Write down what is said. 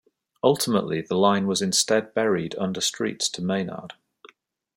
Ultimately the line was instead buried under streets to Maynard.